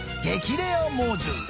レア猛獣。